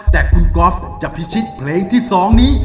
แต่คุณก๊อฟจะพิชิตเพลงที่๒นี้